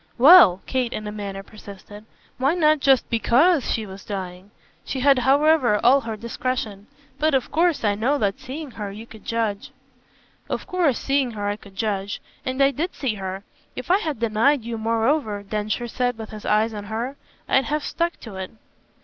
"Well," Kate in a manner persisted, "why not just BECAUSE she was dying?" She had however all her discretion. "But of course I know that seeing her you could judge." "Of course seeing her I could judge. And I did see her! If I had denied you moreover," Densher said with his eyes on her, "I'd have stuck to it."